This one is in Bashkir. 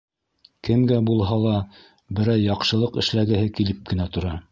Кемгә булһа ла берәй яҡшылыҡ эшләгеһе килеп кенә тора.